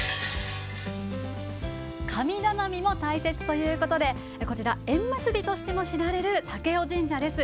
神頼みも大切ということで、こちら、縁結びとしても知られる武雄神社です。